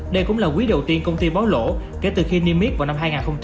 đây cũng là quý đầu tiên công ty báo lỗ kể từ khi niêm miết vào năm hai nghìn một mươi